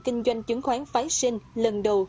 kinh doanh chứng khoán phái sinh lần đầu